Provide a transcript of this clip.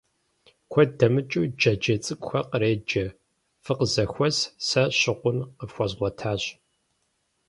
Куэд дэмыкӀыуи джэджьей цӀыкӀухэр къреджэ: фыкъызэхуэс, сэ щыкъун къыфхуэзгъуэтащ!